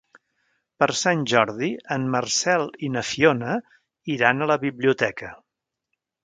Per Sant Jordi en Marcel i na Fiona iran a la biblioteca.